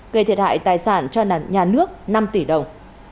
gây thiệt hại tài sản cho nhà nước năm tỷ đồng